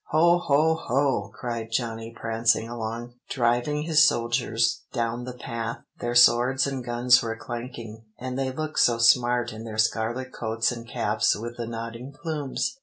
"'Hoh hoh hoh!' cried Johnny, prancing along, driving his soldiers down the path; their swords and guns were clanking, and they looked so smart in their scarlet coats and caps with the nodding plumes.